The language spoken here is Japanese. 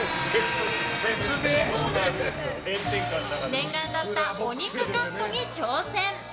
念願だったお肉カットに挑戦。